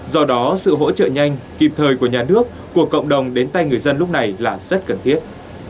do đó sự hỗ trợ nhanh kịp thời của nhà nước của cộng đồng đến tay người dân lúc này là rất cần thiết